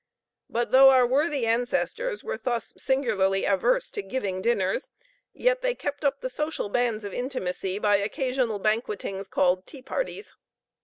But though our worthy ancestors were thus singularly averse to giving dinners, yet they kept up the social bands of intimacy by occasional banquettings, called tea parties.